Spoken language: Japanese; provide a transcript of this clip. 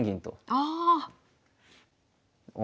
ああ。